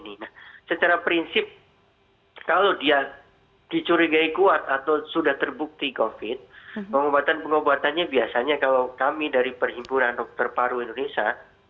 nah secara prinsip kalau dia dicurigai kuat atau sudah terbukti covid pengobatan pengobatannya biasanya kalau kami dari perhimpunan dokter paru indonesia